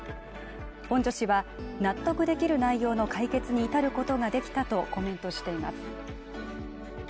本庶氏は納得できる内容の解決に至ることができたとコメントしています。